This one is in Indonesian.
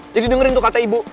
jadi dengerin tuh kata ibu